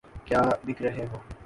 کیا بک رہے ہو؟